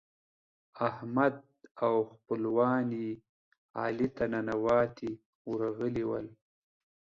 احمد او خپلوان يې علي ته ننواتو ته ورغلي ول.